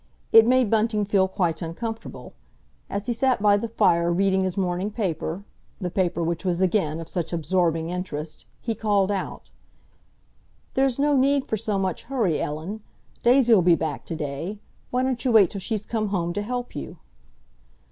It made Bunting feel quite uncomfortable. As he sat by the fire reading his morning paper—the paper which was again of such absorbing interest—he called out, "There's no need for so much hurry, Ellen. Daisy'll be back to day. Why don't you wait till she's come home to help you?"